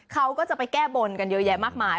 เขาก็จะไปแก้บนกันเยอะแยะมากมาย